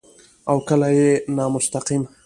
او کله يې نامستقيم